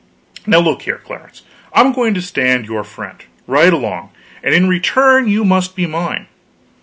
Now look here, Clarence, I am going to stand your friend, right along, and in return you must be mine.